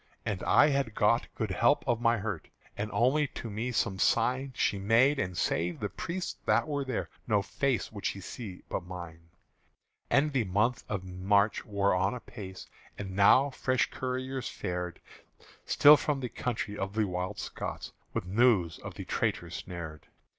And I had got good help of my hurt: And only to me some sign She made; and save the priests that were there No face would she see but mine. And the month of March wore on apace; And now fresh couriers fared Still from the country of the Wild Scots With news of the traitors snared.